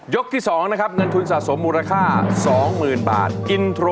ยกที่๒นะครับเนินทุนสะสมมูลค่า๒๐๐๐๐บาท